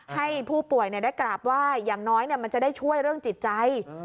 ให้ผู้ป่วยได้กราบไหว้อย่างน้อยมันจะได้ช่วยเรื่องจิตใจ